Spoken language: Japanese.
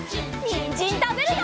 にんじんたべるよ！